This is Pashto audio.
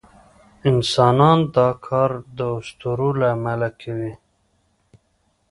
انسانان دا کار د اسطورو له امله کوي.